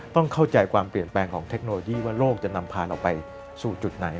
ต้องเข้าใจความเปลี่ยนแปลงของเทคโนโลยีว่าโลกจะนำพานออกไปสู่จุดไหน